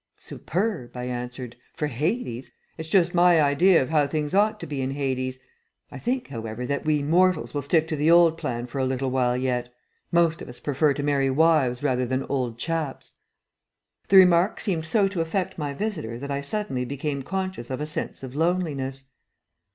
"Superb," I answered, "for Hades. It's just my idea of how things ought to be in Hades. I think, however, that we mortals will stick to the old plan for a little while yet; most of us prefer to marry wives rather than old chaps." The remark seemed so to affect my visitor that I suddenly became conscious of a sense of loneliness.